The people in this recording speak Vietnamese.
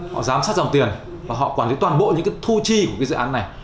họ giám sát dòng tiền và họ quản lý toàn bộ những thu chi của dự án này